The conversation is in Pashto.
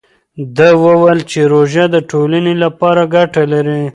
ده وویل چې روژه د ټولنې لپاره ګټه لري.